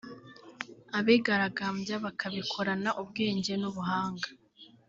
abigaragambya bakabikorana ubwenge n’ubuhanga